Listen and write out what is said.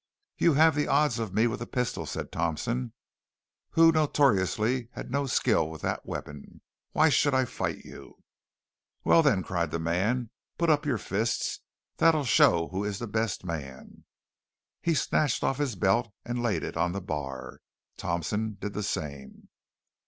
"You have the odds of me with a pistol," said Thompson, who notoriously had no skill with that weapon. "Why should I fight you?" "Well, then," cried the man, "put up your fists; that'll show who is the best man!" He snatched off his belt and laid it on the bar. Thompson did the same.